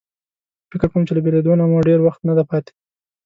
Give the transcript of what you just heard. فکر کوم چې له بېلېدو ته مو ډېر وخت نه دی پاتې.